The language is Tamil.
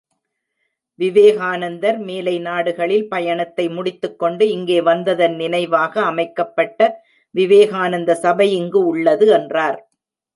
விவேகானந்தர் மேலை நாடுகளில் பயணத்தை முடித்துக்கொண்டு இங்கே வந்ததன் நினைவாக அமைக்கப்பட்ட விவேகானந்த சபை இங்கு உள்ளது என்றார்.